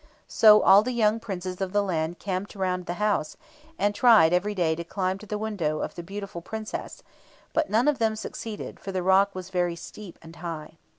So all the young Princes of the land camped around the house, and tried every day to climb to the window of the beautiful Princess; but none of them succeeded, for the rock was very steep and high.